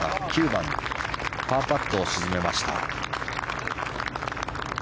９番、パーパットを沈めました。